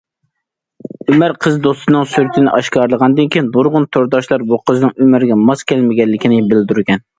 ئۆمەر قىز دوستىنىڭ سۈرىتىنى ئاشكارىلىغاندىن كېيىن، نۇرغۇن تورداشلار بۇ قىزنىڭ ئۆمەرگە ماس كەلمىگەنلىكىنى بىلدۈرگەن.